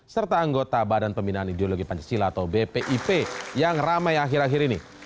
serta anggota badan pembinaan ideologi pancasila atau bpip yang ramai akhir akhir ini